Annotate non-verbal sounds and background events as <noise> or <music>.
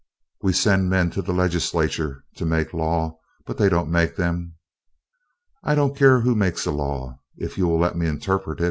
<applause> We send men to the Legislature to make law, but they don't make them. I don't care who makes a law, if you will let me interpret it.